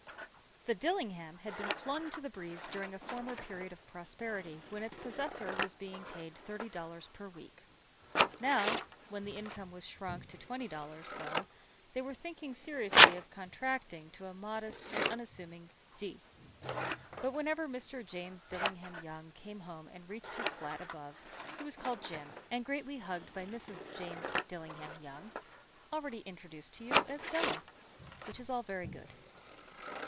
The "Dillingham" had been flung to the breeze during a former period of prosperity when its possessor was being paid $30 per week. Now, when the income was shrunk to $20, the letters of "Dillingham" looked blurred, as though they were thinking seriously of contracting to a modest and unassuming D. But whenever Mr. James Dillingham Young came home and reached his flat above he was called "Jim" and greatly hugged by Mrs. James Dillingham Young, already introduced to you as Della. Which is all very good.